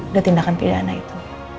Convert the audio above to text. udah tindakan pidana itu